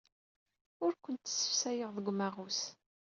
Ur kent-ssefsayeɣ deg umaɣus.